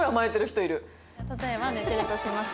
例えば寝てるとします。